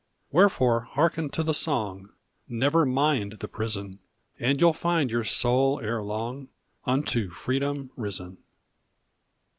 Wherefore hearken to the song, Never mind the prison, And you ll find your soul ere long Unto freedom risen.